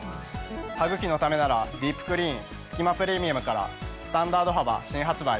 「歯ぐきのためならディープクリーンすき間プレミアム」からスタンダード幅新発売。